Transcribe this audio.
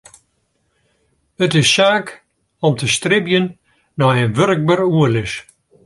It is saak om te stribjen nei in wurkber oerlis.